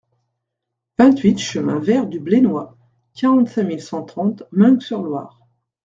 vingt-huit chemin Vert du Blénois, quarante-cinq mille cent trente Meung-sur-Loire